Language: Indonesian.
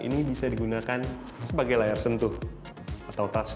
ini bisa digunakan sebagai layar sentuh atau touch screen